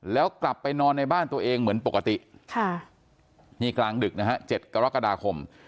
แล้วกลับไปนอนในบ้านตัวเองเหมือนปกตินี่กลางดึกนะฮะ๗กรกฎาคม